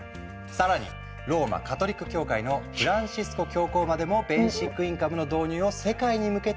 更にローマカトリック教会のフランシスコ教皇までもベーシックインカムの導入を世界に向けて提言した。